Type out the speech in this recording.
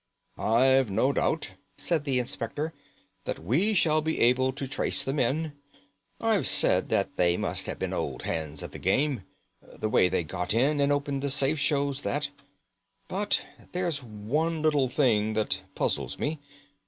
"I've no doubt," said the inspector, "that we shall be able to trace the men. I've said that they must have been old hands at the game. The way they got in and opened the safe shows that. But there's one little thing that puzzles me.